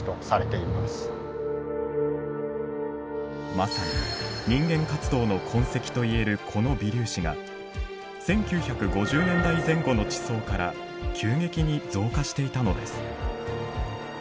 まさに人間活動の痕跡と言えるこの微粒子が１９５０年代前後の地層から急激に増加していたのです。